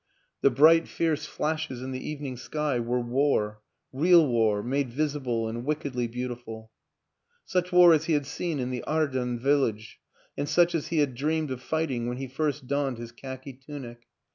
The bright, fierce flashes in the evening sky were war, real war made visible and wickedly beautiful; such war as he had seen in the Ardennes village, and such as he had dreamed of fighting when he first donned his khaki tunic.